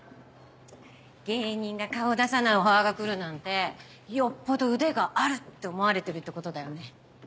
芸人が顔出さないオファーが来るなんてよっぽど腕があるって思われてるってことだよね。